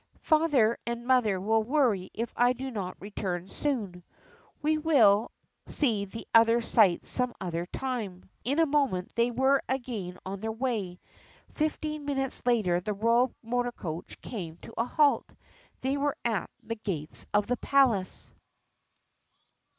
"Father and mother will worry if I do not return soon. We will see the other sights some other time." In a moment they were again on their way. Fifteen minutes later the royal motor coach came to a halt. They were at the gates of the palace.